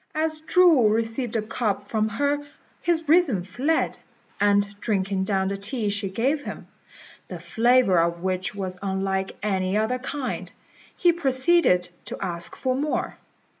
As Chu received the cup from her his reason fled; and drinking down the tea she gave him, the flavour of which was unlike any other kind, he proceeded to ask for more.